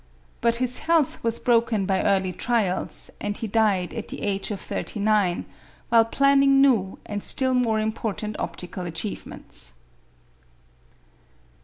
But his health was broken by early trials, and he died at the age of thirty nine, while planning new and still more important optical achievements.